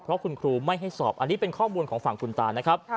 เพราะคุณครูไม่ให้สอบอันนี้เป็นข้อมูลของฝั่งคุณตานะครับ